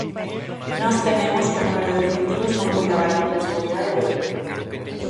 Nós tememos que o número de efectivos non poida garantir a seguridade do evento.